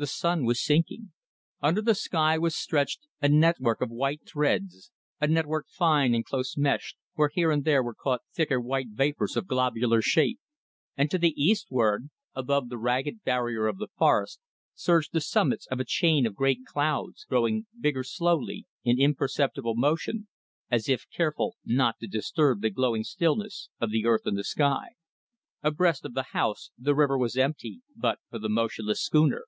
The sun was sinking. Under the sky was stretched a network of white threads, a network fine and close meshed, where here and there were caught thicker white vapours of globular shape; and to the eastward, above the ragged barrier of the forests, surged the summits of a chain of great clouds, growing bigger slowly, in imperceptible motion, as if careful not to disturb the glowing stillness of the earth and of the sky. Abreast of the house the river was empty but for the motionless schooner.